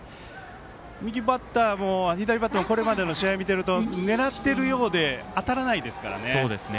右バッターも、左バッターもこれまでの試合見てると狙ってるようで当たらないですからね。